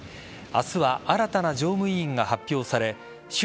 明日は新たな常務委員が発表され習